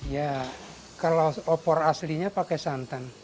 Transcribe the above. ya kalau opor aslinya pakai santan